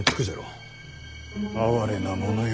哀れなものよ